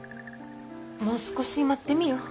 もう少し待ってみよう。